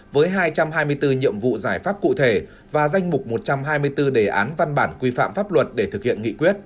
với hai trăm hai mươi bốn nhiệm vụ giải pháp cụ thể và danh mục một trăm hai mươi bốn đề án văn bản quy phạm pháp luật để thực hiện nghị quyết